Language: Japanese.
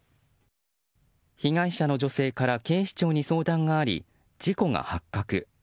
被害者の女性から警視庁に相談があり事故が発覚。